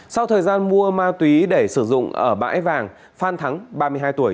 sau thời gian mua ma túy để sử dụng ở bãi vàng phan thắng ba mươi hai tuổi